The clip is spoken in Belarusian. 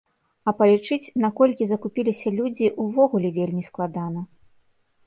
А палічыць, наколькі закупіліся людзі, увогуле вельмі складана.